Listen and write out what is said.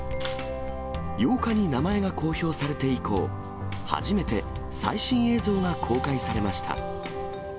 ８日に名前が公表されて以降、初めて最新映像が公開されました。